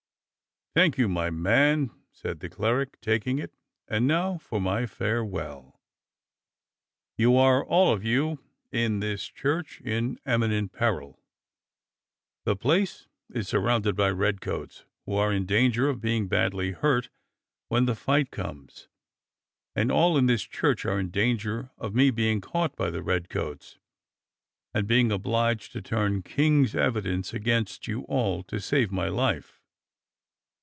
"Thank you, my man!" said the cleric, taking it. And now for my farewell. You are all of you in this church in eminent peril. The place is surrounded by redcoats who are in danger of being badly hurt when the fight comes, and all in this church are in danger of me being caught by the redcoats, and being obliged to turn King's evidence against you all to save my life.